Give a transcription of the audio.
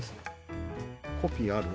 コピーある？